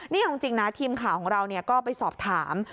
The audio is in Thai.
นี่เอาจริงนะทีมข่าวของเราก็ไปสอบถาม